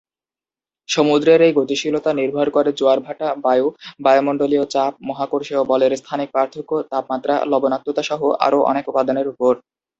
সমুদ্রের এই গতিশীলতা নির্ভর করে জোয়ার-ভাটা, বায়ু, বায়োমন্ডলীয় চাপ, মহাকর্ষীয় বলের স্থানিক পার্থক্য, তাপমাত্রা, লবণাক্ততা সহ আরও অনেক উপাদানের উপর।